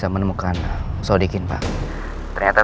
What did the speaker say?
terima kasih rinda